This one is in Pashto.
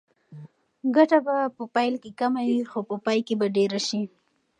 ګټه به په پیل کې کمه وي خو په پای کې به ډېره شي.